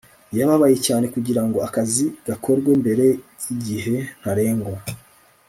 yababaye cyane kugirango akazi gakorwe mbere yigihe ntarengwa